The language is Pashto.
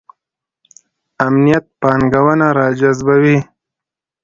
امنیت پانګونه راجذبوي